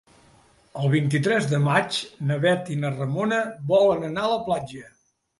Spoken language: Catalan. El vint-i-tres de maig na Bet i na Ramona volen anar a la platja.